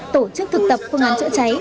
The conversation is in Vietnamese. tổ chức thực tập phòng cháy chữa cháy